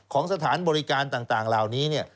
ของสถานบริการต่างราวนี้